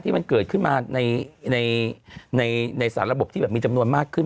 มันเกิดขึ้นมาในสารระบบที่แบบมีจำนวนมากขึ้น